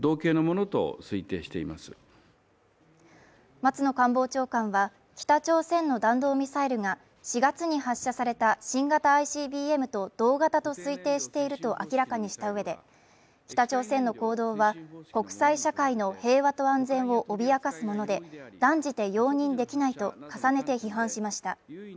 松野官房長官は北朝鮮の弾道ミサイルが４月に発射された新型ＩＣＢＭと同型と推定していると明らかにしたうえで、北朝鮮の行動は国際社会の平和と安全を脅かすもので断じて容認できないと重ねて批判しました